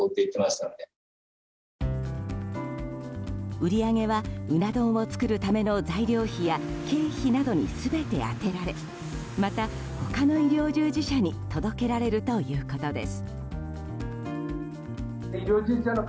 売り上げはうな丼を作るための材料費や経費などに全て充てられまた他の医療従事者に届けられるということです。